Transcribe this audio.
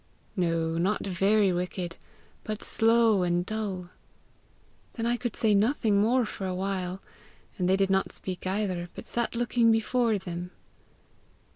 'No, not very wicked, but slow and dull.' Then I could say nothing more for a while, and they did not speak either, but sat looking before them.